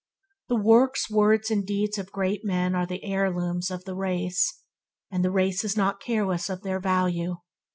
The works, words, and deeds of great men are the heirlooms of the race, and the race is not careless of their value.